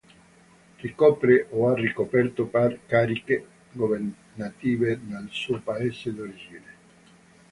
Ricopre o ha ricoperto cariche governative nel suo Paese d'origine.